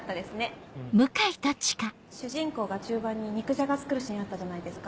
主人公が中盤に肉じゃが作るシーンあったじゃないですか。